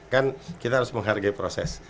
kan kita harus menghargai proses